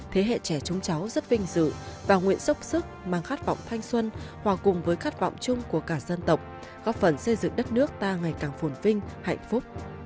thế hệ trẻ chúng cháu rất vinh dự và nguyện dốc sức mang khát vọng thanh xuân hòa cùng với khát vọng chung của cả dân tộc góp phần xây dựng đất nước ta ngày càng phồn vinh hạnh phúc